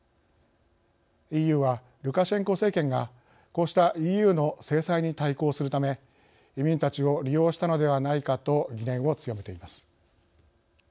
ＥＵは、ルカシェンコ政権がこうしたＥＵの制裁に対抗するため移民たちを利用したのではないかと疑念を強めています。